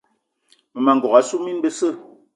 Mmema n'gogué assu mine besse.